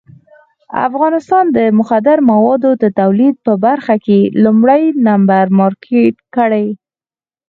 افغانستان یې د مخدره موادو د تولید په برخه کې لومړی نمبر مارکېټ کړی.